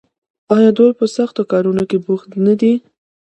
آیا دوی په سختو کارونو کې بوخت نه دي؟